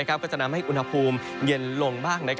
ก็จะทำให้อุณหภูมิเย็นลงบ้าง